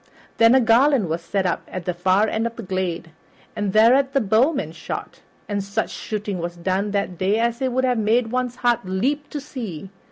Then a garland was set up at the far end of the glade, and thereat the bowmen shot, and such shooting was done that day as it would have made one's heart leap to see.